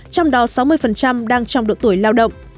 trong đó sáu mươi đang trong độ tuổi lao động